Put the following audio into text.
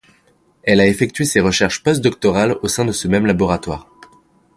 Elle a effectué ses recherches postdoctorales au sein de ce même laboratoire.